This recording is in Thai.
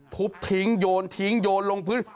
ทุบทิ้งโยนทิ้งโยนลงพื้น